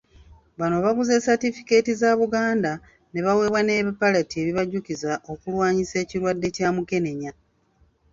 Bano baguze ssatifikeeti za Buganda ne baweebwa n'ebipalati ebibajjukiza okulwanyisa ekirwadde kya Mukenenya.